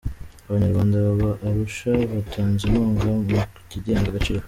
Abanyarwanda baba Arusha batanze inkunga mu kigega Agaciro